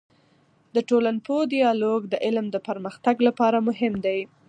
د ټولنپوه ديالوګ د علم د پرمختګ لپاره مهم دی.